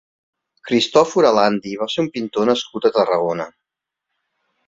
Cristòfor Alandi va ser un pintor nascut a Tarragona.